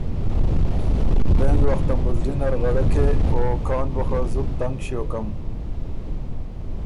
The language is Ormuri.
پېنځ وختم بُو زلی نر غړکې۔ او کان بُو خه زُت تنګ ݭیوکم۔